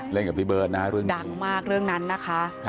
กับพี่เบิร์ตนะเรื่องนี้ดังมากเรื่องนั้นนะคะ